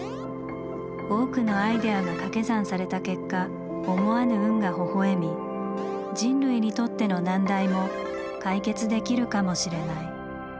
多くのアイデアが掛け算された結果思わぬ「運」がほほ笑み人類にとっての難題も解決できるかもしれない。